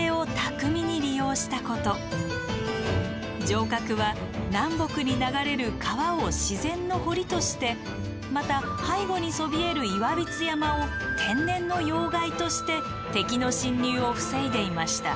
城郭は南北に流れる川を自然の堀としてまた背後にそびえる岩櫃山を天然の要害として敵の侵入を防いでいました。